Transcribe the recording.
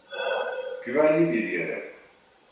Güvenli bir yere.